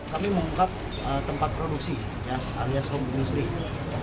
kami mengungkap tempat produksi alias home industry itu